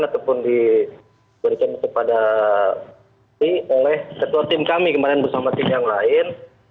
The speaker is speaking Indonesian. ataupun diberikan kepada ketua tim kami kemarin bersama tim yang lain